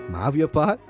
maaf ya pak